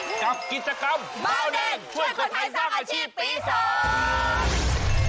กับกิจกรรมบาวแดงช่วยคนไทยสร้างอาชีพปีสอง